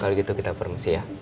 kalau gitu kita permisi ya